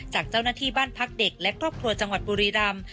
จากเจ้าหน้าที่บ้านพักเด็กและครอบครัวจังหวัดบุรีรำ